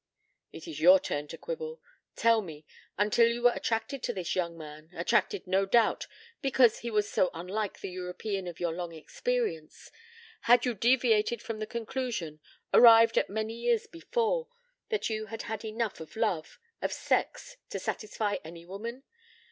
"It is your turn to quibble. Tell me: until you were attracted to this young man attracted, no doubt, because he was so unlike the European of your long experience had you deviated from the conclusion, arrived at many years before, that you had had enough of love of sex to satisfy any woman?